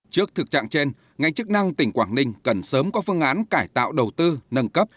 trước thực trạng trên ngành chức năng tỉnh quảng ninh cần sớm có phương án cải tạo đầu tư nâng cấp